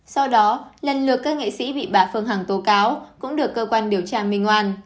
sau đó lần lượt các nghệ sĩ bị bà phương hằng tố cáo cũng được cơ quan điều tra minh ngoan